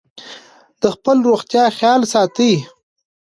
د خپلې روغتیا خیال ساتئ.